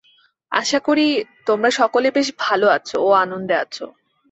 আশা করি, তোমরা সকলে বেশ ভাল আছ ও আনন্দে আছ।